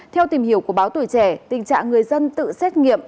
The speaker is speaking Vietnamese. theo tìm hiểu của báo tuổi trẻ tình trạng người dân tự xét nghiệm